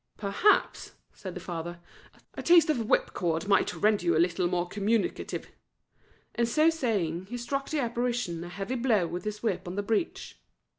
"Perhaps," said the father, "a taste of whipcord might render you a little more communicative;" and so saying, he struck the apparition a heavy blow with his whip on the breech.